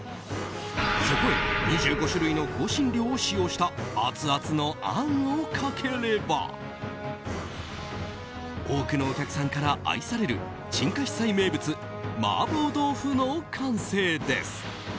そこへ２５種類の香辛料を使用したアツアツのあんをかければ多くのお客さんから愛される陳家私菜名物麻婆豆腐の完成です。